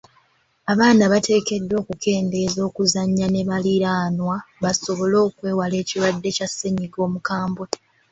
Abaana bateekeddwa okukendeeze okuzannya ne baliraanwa basobole okwewala ekirwadde kya ssennyiga omukambwe.